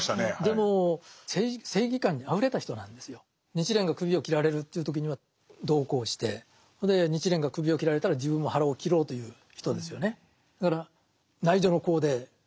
日蓮が首を斬られるという時には同行してそれで日蓮が首を斬られたら自分も腹を切ろうという人ですよね。